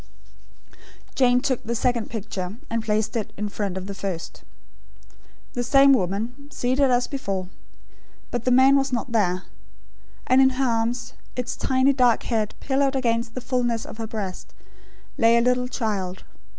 Jane took the second picture, and placed it in front of the first. The same woman, seated as before; but the man was not there; and in her arms, its tiny dark head pillowed against the fulness of her breast, lay a little child.